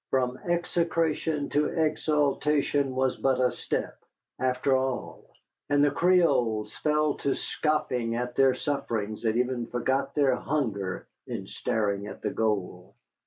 From execration to exaltation was but a step, after all. And the Creoles fell to scoffing at their sufferings and even forgot their hunger in staring at the goal.